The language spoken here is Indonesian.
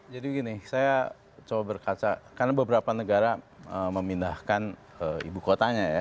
jadi begini saya coba berkata karena beberapa negara memindahkan ibu kotanya ya